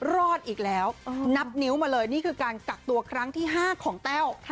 รอดอีกแล้วนับนิ้วมาเลยนี่คือการกักตัวครั้งที่๕ของแต้ว